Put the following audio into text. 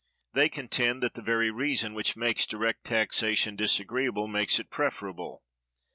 They contend that the very reason which makes direct taxation disagreeable makes it preferable.